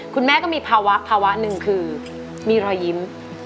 คุณแม่ก็มีภาวะภาวะหนึ่งคือมีรอยยิ้ม